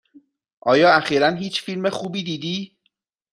آیا اخیرا هیچ فیلم خوبی دیدی؟